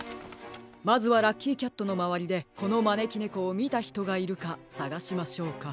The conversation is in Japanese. まずはラッキーキャットのまわりでこのまねきねこをみたひとがいるかさがしましょうか。